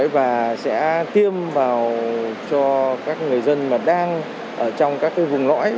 và sẽ tiêm vào cho các người dân mà đang ở trong các vùng lõi